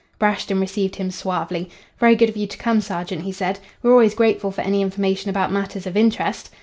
"Brashton received him suavely. 'Very good of you to come, sergeant,' he said. 'We're always grateful for any information about matters of interest.'